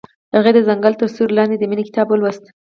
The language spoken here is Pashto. هغې د ځنګل تر سیوري لاندې د مینې کتاب ولوست.